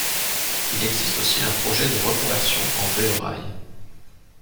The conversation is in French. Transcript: Il existe aussi un projet de reconversion en vélorail.